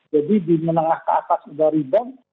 jadi di menengah ke atas ada rebound